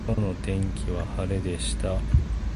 今日の天気は晴れでした。